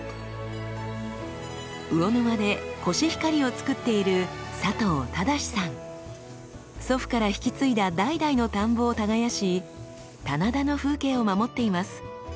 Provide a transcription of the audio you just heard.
魚沼でコシヒカリを作っている祖父から引き継いだ代々の田んぼを耕し棚田の風景を守っています。